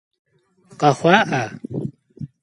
Къэхъуа-Ӏа?